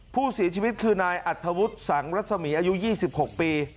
ผู้เสียชีวิตคือนายอัธวุฒิสังรัศมีอายุ๒๖ปี